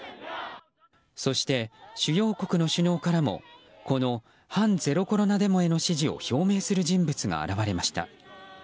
そして、主要国の首脳からもこの反ゼロコロナデモへの支持を表明する人物が現れました。